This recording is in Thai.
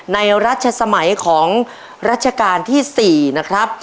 ในรัชสมัยของรัชกาลที่๔นะครับ